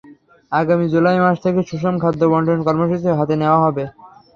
আগামী জুলাই মাস থেকে সুষম খাদ্য বণ্টন কর্মসূচি হাতে নেওয়া হবে।